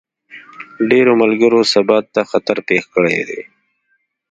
د ډېرو ملکونو ثبات ته خطر پېښ کړی دی.